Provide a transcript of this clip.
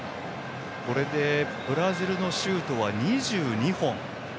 これでブラジルのシュート２２本。